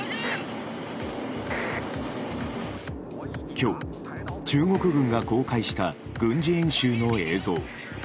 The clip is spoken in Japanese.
今日、中国軍が公開した軍事演習の映像。